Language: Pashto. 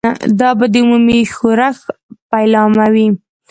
دا به د عمومي ښورښ پیلامه وي.